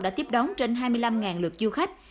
đã tiếp đón trên hai mươi năm lượt du khách